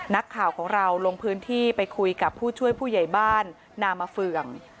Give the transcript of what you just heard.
นักข่าวของเราลงพื้นที่ไปคุยกับผู้ช่วยผู้ใหญ่บ้านนามาเฟือง